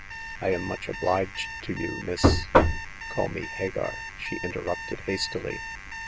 I am much obliged to you. Miss "" Call me Hagar," she interrupted, hastily.